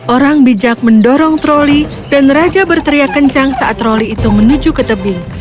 orang bijak mendorong troli dan raja berteriak kencang saat troli itu menuju ke tebing